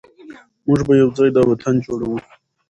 موږ به یو ځای دا وطن جوړوو.